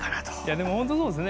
でも本当そうですね。